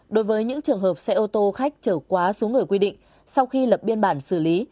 đối với những trường hợp xe ô tô khách trở quá số người quy định sau khi lập biên bản xử lý